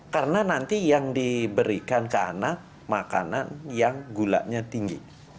karena nanti yang diberikan ke anak makanan yang gulanya tinggi